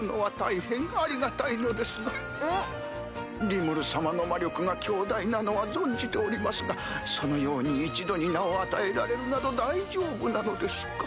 リムル様の魔力が強大なのは存じておりますがそのように一度に名を与えられるなど大丈夫なのですか？